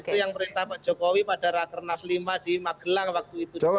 itu yang perintah pak jokowi pada rakernas lima di magelang waktu itu